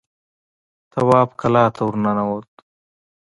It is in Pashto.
تواب کلا ته ور ننوت.